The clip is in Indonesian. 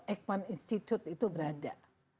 eekman institute itu berada